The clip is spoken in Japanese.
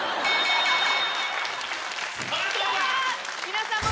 皆さん